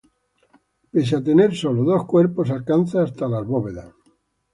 Pese a tener sólo dos cuerpos, alcanza hasta las bóvedas.